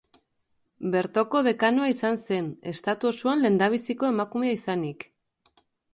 Bertoko dekanoa izan zen, estatu osoan lehendabiziko emakumea izanik.